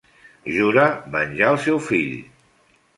Jura venjar al seu fill.